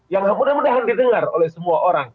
yang mudah mudahan didengar oleh semua orang